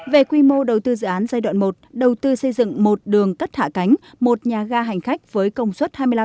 về quy mô đầu tư dự án giai đoạn một đầu tư xây dựng một đường cất hạ cánh một nhà ga hành khách với công suất hai mươi năm